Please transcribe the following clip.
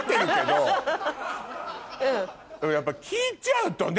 でもやっぱ聞いちゃうとね。